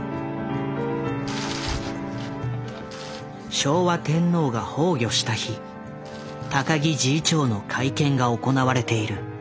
昭和天皇が崩御した日高木侍医長の会見が行われている。